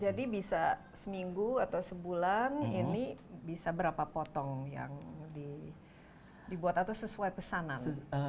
jadi bisa seminggu atau sebulan ini bisa berapa potong yang dibuat atau sesuai pesanan